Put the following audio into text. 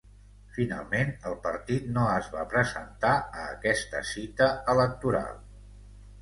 Finalment, el partit no es va presentar a aquesta cita electoral.